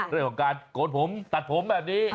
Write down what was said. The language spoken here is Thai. เรื่องของการโกนผมตัดผมแบบนี้